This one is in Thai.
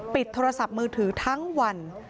โทรศัพท์มือถือทั้งวัน